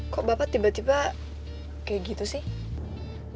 kok bapak tiba tiba kayak gitu sih